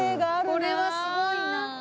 これはすごいな。